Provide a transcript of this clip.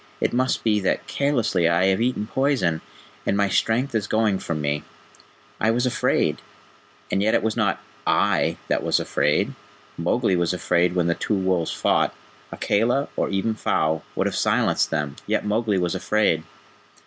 "It must be that carelessly I have eaten poison, and my strength is going from me. I was afraid and yet it was not I that was afraid Mowgli was afraid when the two wolves fought. Akela, or even Phao, would have silenced them; yet Mowgli was afraid.